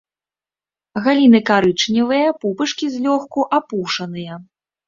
Галіны карычневыя, пупышкі злёгку апушаныя.